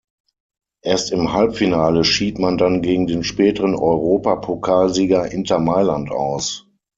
Erst im Halbfinale schied man dann gegen den späteren Europapokalsieger Inter Mailand aus.